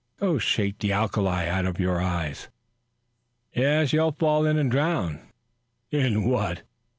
"Go shake the alkali out of your eyes." "Yes, you'll fall in and drown." "In what?"